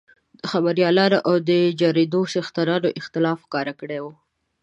خبریالانو او د جرایدو څښتنانو اختلاف ښکاره کړی وو.